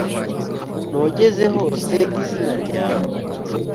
nogeze hose izina ryawe